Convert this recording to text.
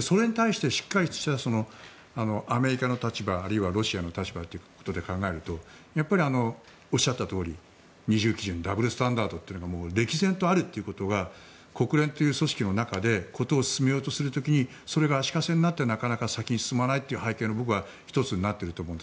それに対してしっかりとしたアメリカの立場あるいはロシアの立場ということで考えるとやっぱりおっしゃったとおり二重基準ダブルスタンダードが歴然とあるというのが国連という組織の中で事を進めようとする時にそれが足かせになってなかなか先に進まないという背景の１つになっていると思うんです。